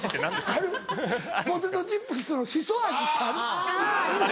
あるポテトチップスのシソ味ってある。